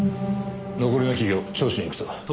残りの企業聴取に行くぞ。